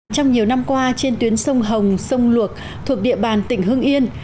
trong nhiều năm qua trên tuyến sông hồng sông luộc thuộc địa bàn tỉnh hưng yên